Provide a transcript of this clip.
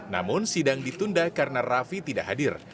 namun sidang ditunda karena raffi tidak hadir